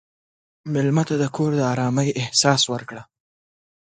مېلمه ته د کور د ارامۍ احساس ورکړه.